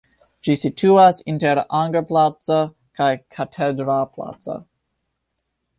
Ĝi situas inter Anger-placo kaj Katedral-placo.